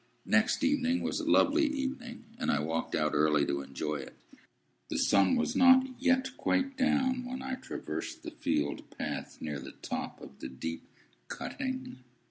Next evening was a lovely evening, and I walked out early to enjoy it. The sun was not yet quite down when I traversed the field path near the top of the deep cutting.